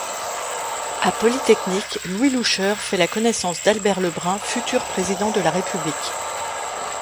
À Polytechnique, Louis Loucheur fait la connaissance d’Albert Lebrun, futur président de la République.